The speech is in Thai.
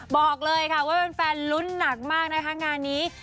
บอกเลยค่ะว่าแฟนลุ้นหนักมากนะคะงานนี้